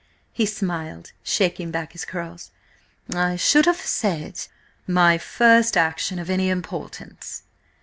He smiled, shaking back his curls. "I should have said: my first action of any importance."